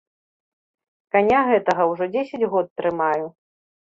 Каня гэтага ўжо дзесяць год трымаю.